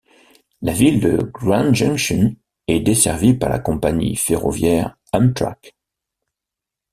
La ville de Grand Junction est desservie par la compagnie ferroviaire Amtrak.